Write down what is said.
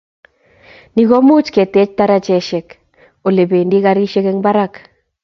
ni komuuch ketech tarajeshek ole bendi karishek eng barak